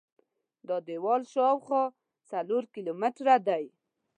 دا دیوال شاوخوا څلور کیلومتره دی.